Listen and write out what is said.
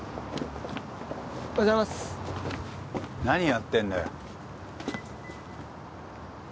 何やってんだよ？